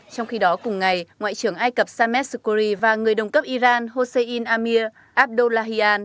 trong khi đó cùng ngày ngoại trưởng ai cập samer skoury và người đồng cấp iran hossein amir abdullahian